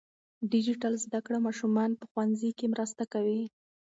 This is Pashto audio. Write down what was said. ډیجیټل زده کړه ماشومان په ښوونځي کې مرسته کوي.